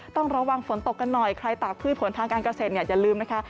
ต้องระวังฝนตกกันหน่อยใครตากพืชผลทางการเกษตรอย่าลืมนะคะ